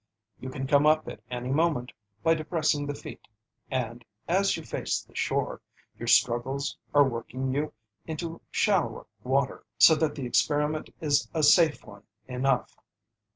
You can come up at any moment by depressing the feet, and, as you face the shore, your struggles are working you into shallower water, so that the experiment is a safe one enough.